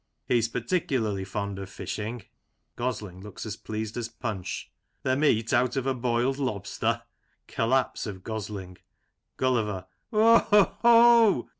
He's particularly fond of fishing — {Gosling looks as pleased as Punch) — the meat out of a boiled lobster. {Collapse of Gosling,) Gulliver: Ho! ho! ho!